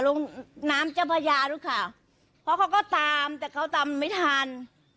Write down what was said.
ลงน้ำเจ้าพญาด้วยค่ะเพราะเขาก็ตามแต่เขาตามไม่ทัน